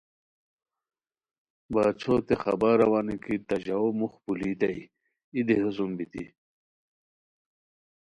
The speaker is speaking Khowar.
باچھوتے خبر اوانی کی تہ ژاؤو موخ پولوئیتائے ای دیہو سوم بیتی